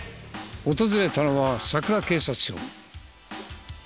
訪れたのは佐倉警察署。